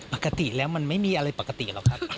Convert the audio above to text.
ปกติแล้วมันไม่มีอะไรปกติหรอกครับ